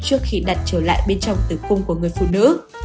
trước khi đặt trở lại bên trong tử cung của người phụ nữ